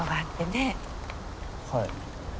はい。